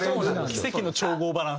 奇跡の調合バランス。